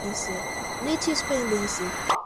litispendência